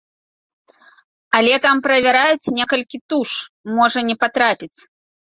Але там правяраюць некалькі туш, можа не патрапіць.